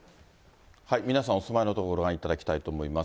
皆さんお住まいの所をご覧いただきたいと思います。